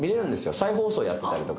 再放送やってたりとか。